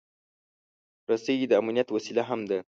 رسۍ د امنیت وسیله هم ده.